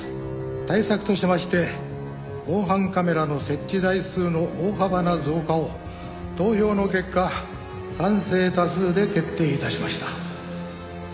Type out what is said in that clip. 「対策としまして防犯カメラの設置台数の大幅な増加を投票の結果賛成多数で決定致しました」